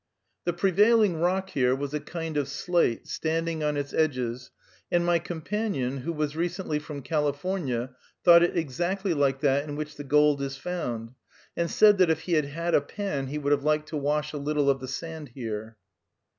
The prevailing rock here was a kind of slate, standing on its edges, and my companion, who was recently from California, thought it exactly like that in which the gold is found, and said that if he had had a pan he would have liked to wash a little of the sand here.